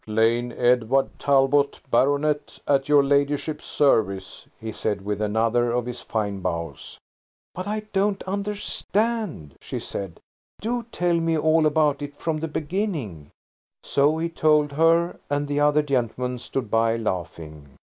"Plain Edward Talbot, Baronet, at your ladyship's service," he said, with another of his fine bows. "But I don't understand," she said, "do tell me all about it from the beginning." So he told her, and the other gentlemen stood by, laughing.